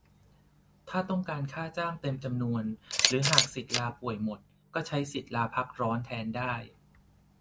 ถ้าต้องการค่าจ้างเต็มจำนวน หรือหากสิทธิ์ลาป่วยหมด ก็ใช้สิทธิ์ลาพักร้อนแทนได้